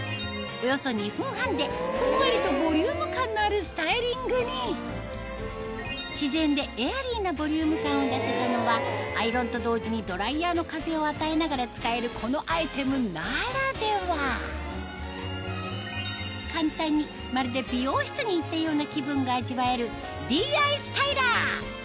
およそ２分半でふんわりとボリューム感のあるスタイリングに自然でエアリーなボリューム感を出せたのはアイロンと同時にドライヤーの風を与えながら使えるこのアイテムならでは簡単にまるで美容室に行ったような気分が味わえるＤｉＳＴＹＬＥＲ